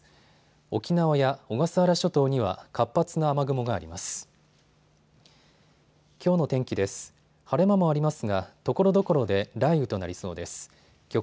沖縄や小笠原諸島には活発な雨雲があります。